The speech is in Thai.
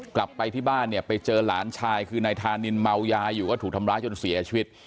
กลับไปที่บ้านเนี่ยไปเจอหลานชายคือนายธานินเมายาอยู่ก็ถูกทำร้ายจนเสียชีวิต